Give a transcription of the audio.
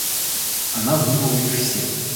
Она вынула их все.